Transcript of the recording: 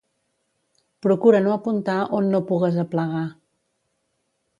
Procura no apuntar on no pugues aplegar.